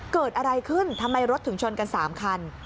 เกิดอะไรขึ้นทำไมรถถึงชนกัน๓คัน